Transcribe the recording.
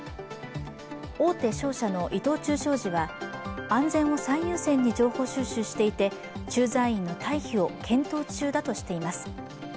大手商社の伊藤忠商事は、安全を最優先に情報収集していて駐在員の退避を検討中だとしています。